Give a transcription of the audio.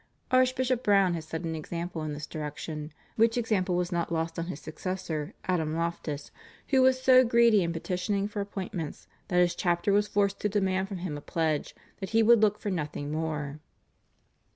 Archbishop Browne had set an example in this direction, which example was not lost on his successor, Adam Loftus, who was so greedy in petitioning for appointments that his chapter was forced to demand from him a pledge that he would look for nothing more.